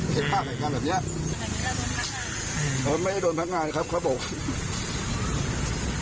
ภาคหน่อยการแบบเนี้ยไม่โดนพังงานครับครับผม